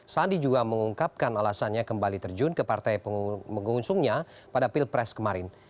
sandi juga mengungkapkan alasannya kembali terjun ke partai pengusungnya pada pilpres kemarin